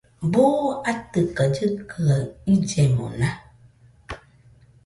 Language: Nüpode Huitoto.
¿Buu atɨka llɨkɨa illemona?